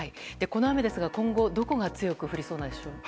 この雨ですが今後どこが強くなりそうですか。